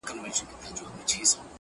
هرچا ته ځکهیاره بس چپه نیسم لاسونه,